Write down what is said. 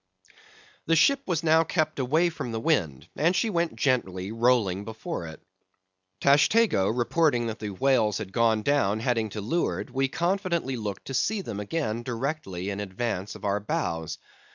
The ship was now kept away from the wind, and she went gently rolling before it. Tashtego reporting that the whales had gone down heading to leeward, we confidently looked to see them again directly in advance of our bows.